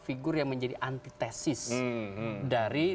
figur yang menjadi antitesis dari